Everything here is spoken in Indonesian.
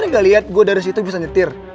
lo kan gak liat gue dari situ bisa nyetir